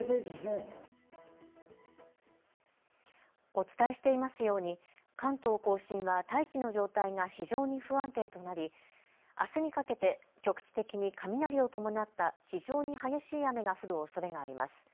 お伝えしていますように関東甲信は大気の状態が非常に不安定となりあすにかけて局地的に雷を伴った非常に激しい雨が降るおそれがあります。